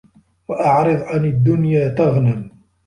وَاعْرِضْ عَنْ الدُّنْيَا تَغْنَمْ